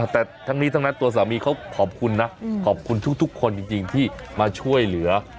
แต่ทั้งนี้ทั้งนั้นตัวสามีเขาขอบคุณนะขอบคุณทุกคนจริงที่มาช่วยเหลือ